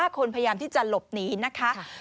๕คนพยายามที่จะหลบหนีนะคะ